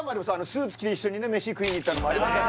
スーツ着て一緒に飯食いにいったのもええ行きましたよ